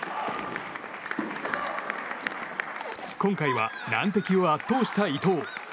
今回は、難敵を圧倒した伊藤。